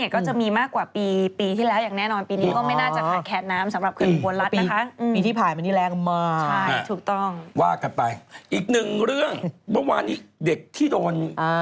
ก็จะมีมากกว่าปีที่แล้วอย่างแน่นอน